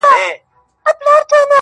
ټولو وویل چي ته الوتای نه سې!!